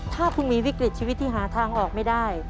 ถ้าคุณมีวิกฤตชีวิตที่หาทางออกไม่ได้